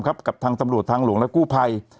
กับทำรวจทางหลวงและกู้ไพร